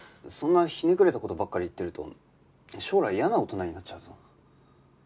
そんなひねくれた事ばっかり言ってると将来嫌な大人になっちゃうぞ。